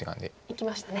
生きましたね。